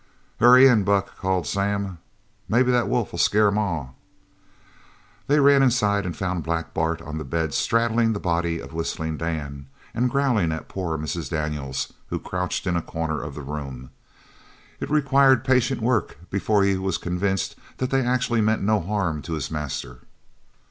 "Hurry in, Buck!" called Sam. "Maybe the wolf'll scare Ma!" They ran inside and found Black Bart on the bed straddling the body of Whistling Dan, and growling at poor Mrs. Daniels, who crouched in a corner of the room. It required patient work before he was convinced that they actually meant no harm to his master.